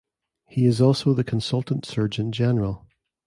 He is also the Consultant Surgeon General.